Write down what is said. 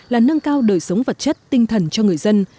là nâng cao đời sống vật chất tinh thần cho người dân